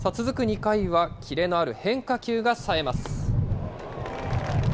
続く２回は、キレのある変化球がさえます。